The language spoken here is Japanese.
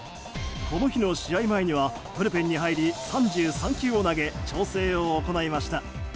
この日の試合前にはブルペンに入り３３球を投げ調整を行いました。